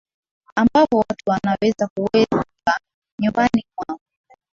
ambavyo watu wanaweza kuweka nyumbani mwao